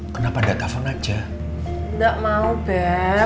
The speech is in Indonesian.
kenapa datafone aja